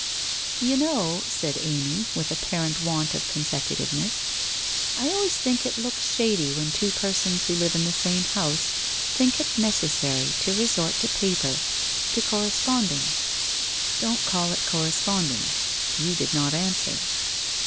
' You know,' said Amy, with apparent want of consecu tiveness. ' I always think it looks shady when two persons who live in the same house think it necessary to resort to paper — to corresponding ?'' Don't call it corresponding. You did not answer.'